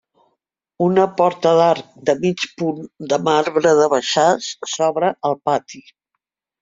Una porta d'arc de mig punt de marbre de Baixàs s'obre al pati.